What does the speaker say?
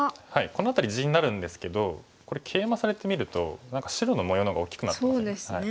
この辺り地になるんですけどこれケイマされてみると何か白の模様の方が大きくなってますよね。